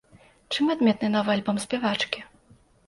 Чым адметны новы альбом спявачкі?